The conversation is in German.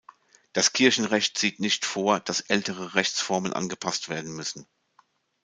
Das Kirchenrecht sieht nicht vor, dass ältere Rechtsformen angepasst werden müssen.